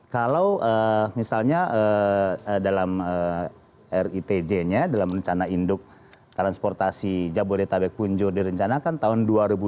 kalau misalnya dalam ritj nya dalam rencana induk transportasi jabodetabek punjo direncanakan tahun dua ribu dua puluh